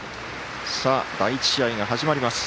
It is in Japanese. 第１試合が始まります。